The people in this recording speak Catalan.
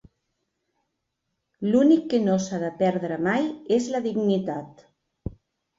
L'únic que no s'ha de perdre mai és la dignitat.